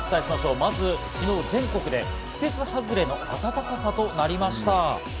まずは昨日、全国で季節外れの暖かさとなりました。